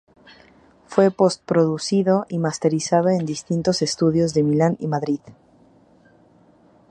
Fue post-producido y masterizado en distintos estudios de Milán y Madrid.